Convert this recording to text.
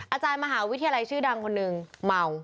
อาจารย์มหาวิทยาลัยชื่อดังคนหนึ่งเมา